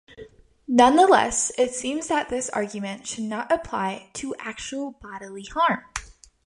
Nonetheless, it seems that this argument should not apply to actual bodily harm.